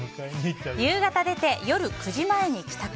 夕方出て、夜９時前に帰宅。